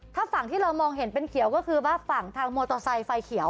ถ้าฝั่งที่เรามองเห็นเป็นเขียวก็คือว่าฝั่งทางมอเตอร์ไซค์ไฟเขียว